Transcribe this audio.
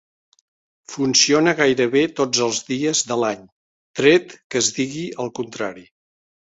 Funciona gairebé tots els dies de l'any, tret que es digui el contrari.